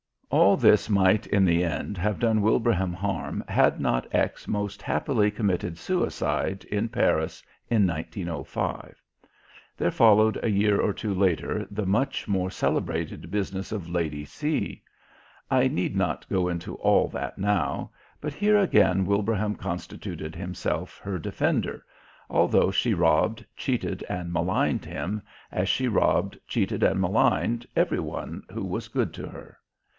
All this might in the end have done Wilbraham harm had not X most happily committed suicide in Paris in 1905. There followed a year or two later the much more celebrated business of Lady C. I need not go into all that now, but here again Wilbraham constituted himself her defender, although she robbed, cheated, and maligned him as she robbed, cheated, and maligned every one who was good to her.